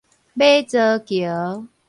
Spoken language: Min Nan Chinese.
馬槽橋